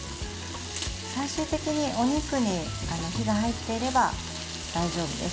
最終的にお肉に火が入っていれば大丈夫です。